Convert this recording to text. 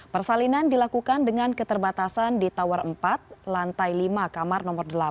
persalinan dilakukan dengan keterbatasan di tower empat lantai lima kamar nomor delapan